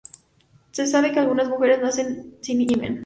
Se sabe que algunas mujeres nacen sin himen.